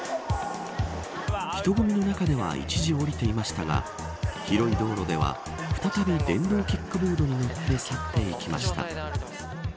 人混みの中では一時降りていましたが広い道路では、再び電動キックボードに乗って去っていきました。